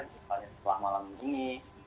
misalnya setelah malam ini